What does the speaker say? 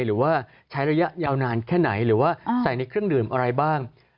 หรือว่าใช้ระยะยาวนานแค่ไหนหรือว่าใส่ในเครื่องดื่มอะไรบ้าง